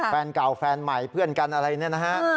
แฟนเก่าแฟนใหม่เพื่อนกันอะไรเนี่ยนะฮะ